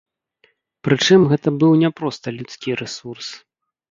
Прычым гэта быў не проста людскі рэсурс.